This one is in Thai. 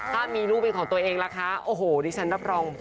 ถ้ามีลูกเป็นของตัวเองล่ะคะโอ้โหดิฉันรับรอง